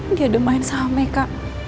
gak ada main sama mereka